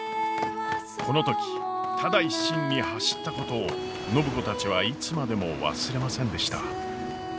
この時ただ一心に走ったことを暢子たちはいつまでも忘れませんでした。